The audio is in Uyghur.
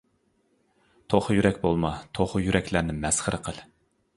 توخۇ يۈرەك بولما، توخۇ يۈرەكلەرنى مەسخىرە قىل.